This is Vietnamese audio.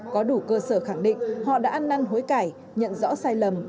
có đủ cơ sở khẳng định họ đã ăn năn hối cải nhận rõ sai lầm